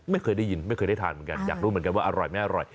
ไม่เคยได้ยินไม่เคยได้ทานเหมือนกันอยากรู้เหมือนกันว่าอร่อยไม่อร่อย